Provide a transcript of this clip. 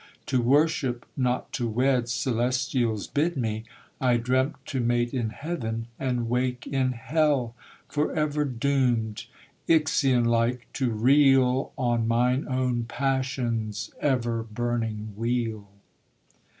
To worship, not to wed, Celestials bid me: I dreamt to mate in heaven, and wake in hell; For ever doom'd, Ixion like, to reel On mine own passions' ever burning wheel.